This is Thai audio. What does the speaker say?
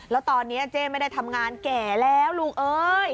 แล้วตอนนี้เจ๊ไม่ได้ทำงานแก่แล้วลูกเอ้ย